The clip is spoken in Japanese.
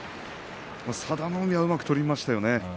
佐田の海はうまく取りましたね。